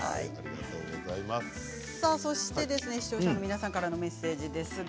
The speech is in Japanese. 視聴者の皆さんからのメッセージです。